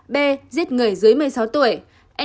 b giết người dưới một mươi sáu tuổi